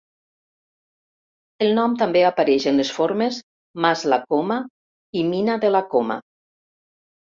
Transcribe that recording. El nom també apareix en les formes Mas la Coma i Mina de la Coma.